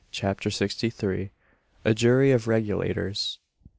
CHAPTER SIXTY THREE. A JURY OF REGULATORS.